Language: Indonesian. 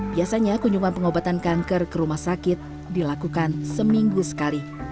biasanya kunjungan pengobatan kanker ke rumah sakit dilakukan seminggu sekali